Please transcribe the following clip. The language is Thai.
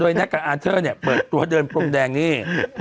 แน็กกับอาร์เทอร์เนี่ยเปิดตัวเดินพรมแดงนี่